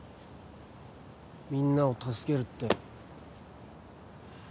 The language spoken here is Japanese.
みんなを助けるって